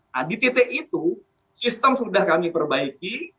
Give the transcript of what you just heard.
nah di titik itu sistem sudah kami perbaiki